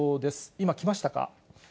今、来ましたか。